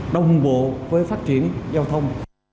đồng bộ với phát triển giao thông